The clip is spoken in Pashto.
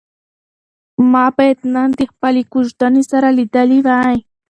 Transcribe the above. ما باید نن د خپلې کوژدنې سره لیدلي وای.